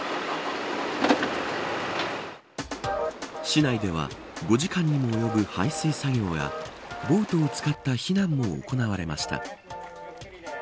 市内では５時間にも及ぶ排水作業やボートを使った避難も行われました。